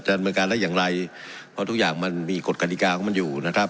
ดำเนินการได้อย่างไรเพราะทุกอย่างมันมีกฎกฎิกาของมันอยู่นะครับ